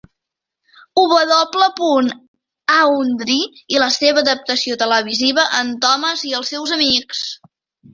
W. Awdry i la seva adaptació televisiva, "En Thomas i els seus amics".